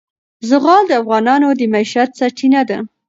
زغال د افغانانو د معیشت سرچینه ده.